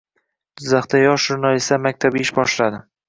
Jizzaxda “Yosh jurnalistlar maktabi” ish boshladi